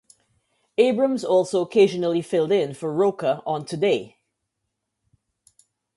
Abrams also occasionally filled in for Roker on "Today".